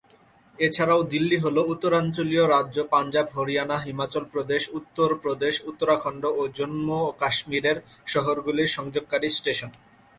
এছাড়াও, দিল্লি হল উত্তরাঞ্চলীয় রাজ্য পাঞ্জাব, হরিয়ানা, হিমাচল প্রদেশ, উত্তর প্রদেশ, উত্তরাখণ্ড ও জম্মু ও কাশ্মীরের শহরগুলির সংযোগকারী স্টেশন।